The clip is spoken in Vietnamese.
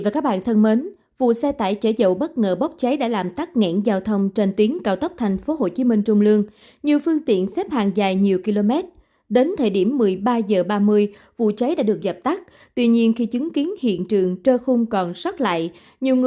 các bạn hãy đăng ký kênh để ủng hộ kênh của chúng mình nhé